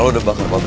ini bayaran lo bedua